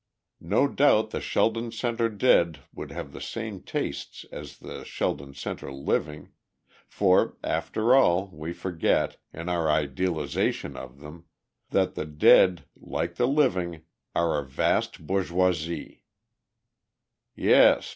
No doubt the Sheldon Center dead would have the same tastes as the Sheldon Center living; for, after all, we forget, in our idealization of them, that the dead, like the living, are a vast bourgeoisie. Yes!